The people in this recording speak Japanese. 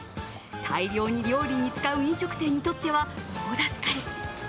大量に料理に使う飲食店にとっては大助かり。